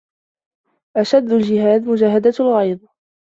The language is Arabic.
أشد الجهاد مجاهدة الغيظ